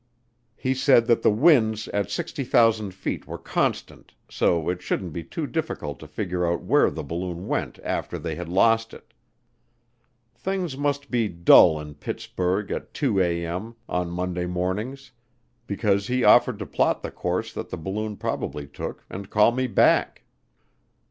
He said that the winds at 60,000 feet were constant, so it shouldn't be too difficult to figure out where the balloon went after they had lost it. Things must be dull in Pittsburgh at 2:00 a.m. on Monday mornings, because he offered to plot the course that the balloon probably took and call me back.